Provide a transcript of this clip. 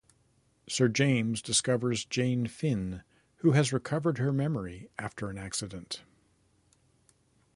Sir James discovers Jane Finn, who has recovered her memory after an accident.